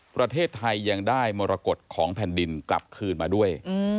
ประเทศไทยยังได้มรกฏของแผ่นดินกลับคืนมาด้วย